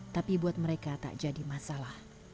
tapi buat mereka tak jadi masalah